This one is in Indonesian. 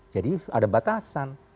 jadi ada batasan